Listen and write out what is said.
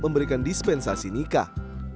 memberikan dispensasi nikah